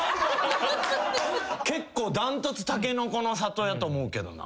結構断トツたけのこの里やと思うけどな。